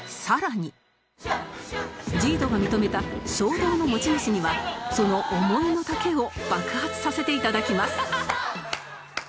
ＪＩＤＯ が認めた衝動の持ち主にはその思いの丈を爆発させて頂きます